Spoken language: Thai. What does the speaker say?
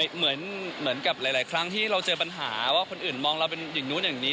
เหมือนกับหลายครั้งที่เราเจอปัญหาว่าคนอื่นมองเราเป็นอย่างนู้นอย่างนี้